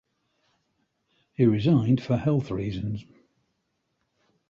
He resigned for health reasons.